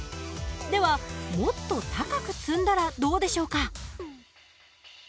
ではもっと高く積んだらどうでしょうか？